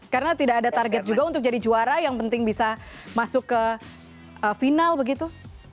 karena tidak ada target juga untuk jadi juara yang penting bisa masuk ke final begitu